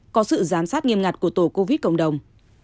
có sự giám sát nghiêm ngặt của tổ covid một mươi chín cộng đồng